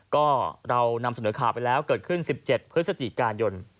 ก็เรานำเสนอข่าวไปแล้วเกิดขึ้น๑๗พฤศจิกายน